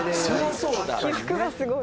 起伏がすごい。